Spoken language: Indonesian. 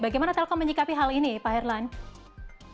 bagaimana telkom menyikapi hal ini pak herlan